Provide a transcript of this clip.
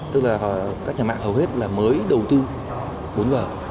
tức là các nhà mạng hầu hết là mới đầu tư bốn g